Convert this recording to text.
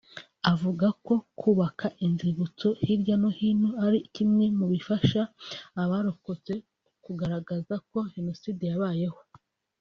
Avuga ko Kubaka inzibutso hirya no hino ari kimwe mu bifasha abarokotse kugaragaza ko Jenoside yabayeho